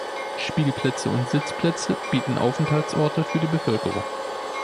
Spielplätze und Sitzplätze bieten Aufenthaltsorte für die Bevölkerung.